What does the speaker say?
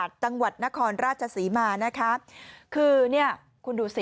จังหวัดนครราชศรีมานะคะคือเนี่ยคุณดูสิ